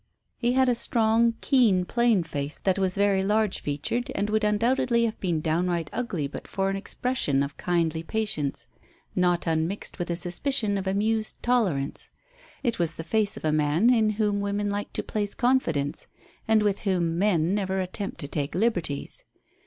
He had a strong, keen, plain face that was very large featured, and would undoubtedly have been downright ugly but for an expression of kindly patience, not unmixed with a suspicion of amused tolerance. It was the face of a man in whom women like to place confidence, and with whom men never attempt to take liberties.